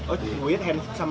oh sama handphone aja ya pak